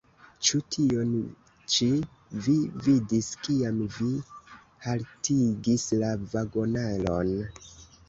Ĉu tion ĉi vi vidis, kiam vi haltigis la vagonaron?